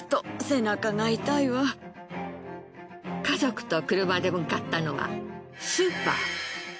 家族と車で向かったのはスーパー。